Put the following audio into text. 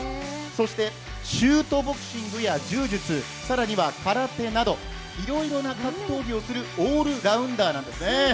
そしてシュートボクシングや柔術、更には空手などいろいろな格闘技をするオールラウンダーなんですね。